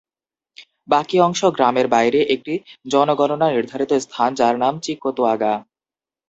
বাকি অংশ, গ্রামের বাইরে, একটি জনগণনা-নির্ধারিত স্থান যার নাম চিক্কতোয়াগা।